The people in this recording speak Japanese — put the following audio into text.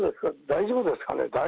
大丈夫ですかねって。